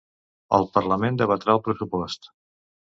El parlament debatrà el pressupost.